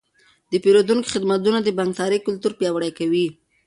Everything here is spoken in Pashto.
د پیرودونکو خدمتونه د بانکدارۍ کلتور پیاوړی کوي.